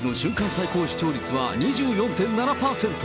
最高視聴率は２４．７％。